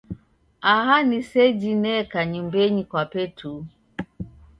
Aha ni ni seji neka nyumbenyi kwape tu.